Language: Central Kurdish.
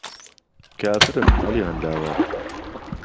کافرن ههڵیان داوه